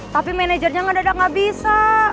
tapi manajernya ngedadak gak bisa